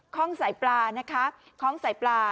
คล่องสายปลา